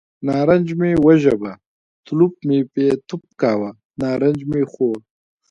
نارنج مې وژبه، تلوف مې یې توف کاوه، نارنج مې خوړ.